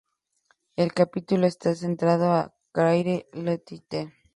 El capítulo está centrado en Claire Littleton.